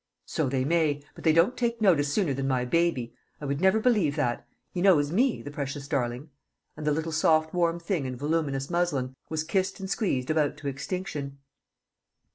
"So they may; but they don't take notice sooner than my baby. I would never believe that. He knows me, the precious darling;" and the little soft warm thing in voluminous muslin was kissed and squeezed about to extinction.